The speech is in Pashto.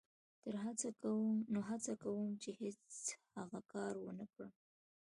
نو هڅه کوم چې هېڅ هغه کار و نه کړم.